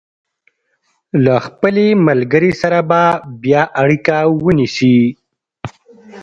له خپلې ملګرې سره به بیا اړیکه ونیسي.